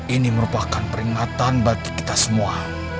ini merupakan peringatan bagi kita semua